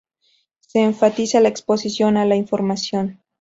Se enfatiza la exposición a la información.